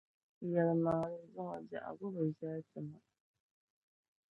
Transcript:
Yɛlimaŋli zuŋɔ biɛhigu bi viɛli n-ti ma.